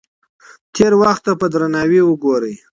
تېر وخت ته په درناوي وګورئ.